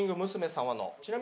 様の。